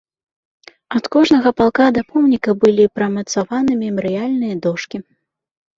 Ад кожнага палка да помніка былі прымацаваны мемарыяльныя дошкі.